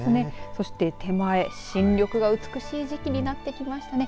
そして手前、新緑が美しい時期になってきましたね。